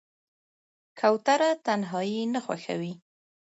کوتره تنهایي نه خوښوي.